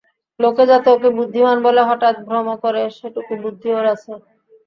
লোকে যাতে ওকে বুদ্ধিমান বলে হঠাৎ ভ্রম করে সেটুকু বুদ্ধি ওর আছে।